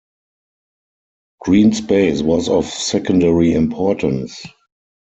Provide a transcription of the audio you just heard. Green space was of secondary importance.